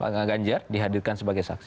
pak ganjar dihadirkan sebagai saksi